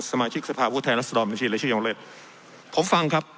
สมาชิกสภาพวุทย์แทนรัฐศาลมันชีวิตหรือชื่อยองเลสผมฟังครับ